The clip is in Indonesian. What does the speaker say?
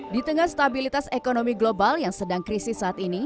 di tengah stabilitas ekonomi global yang sedang krisis saat ini